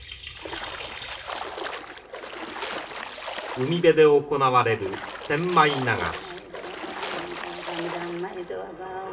海辺で行われる千枚流し。